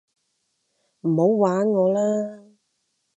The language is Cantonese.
唔好玩我啦